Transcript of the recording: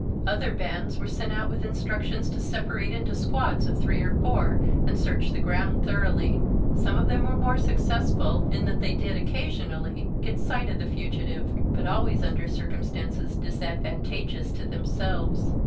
Other bands were sent out with instructions to separate into squads of three or four and search the ground thoroughly. Some of them were more successful, in that they did, occasionally, get sight of the fugitive, but always under circumstances disadvantageous to themselves.